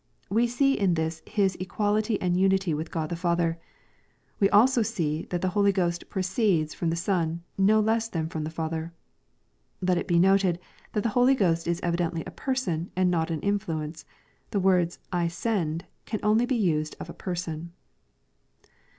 We see in this His equality and unity with Qtod the Father. We also see that the Holy Ghost proceeds from the Son, no less than from the Father. Let it be noted, that the Holy Ghost \b evidently a Person, and not an influence. The words " I send" can only be used of a " person."